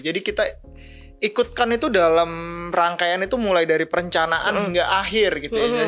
jadi kita ikutkan itu dalam rangkaian itu mulai dari perencanaan hingga akhir gitu ya